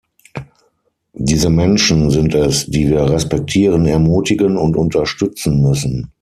Diese Menschen sind es, die wir respektieren, ermutigen und unterstützen müssen.